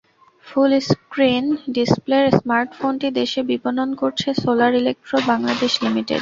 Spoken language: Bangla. ফুল স্ক্রিন ডিসপ্লের স্মার্টফোনটি দেশে বিপণন করছে সোলার ইলেকট্রো বাংলাদেশ লিমিটেড।